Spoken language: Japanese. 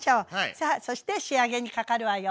さあそして仕上げにかかるわよ。